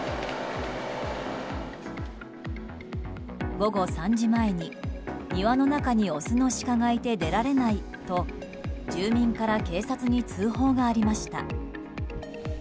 午後３時前に庭の中にオスのシカがいて出られないと住民から警察に通報がありました。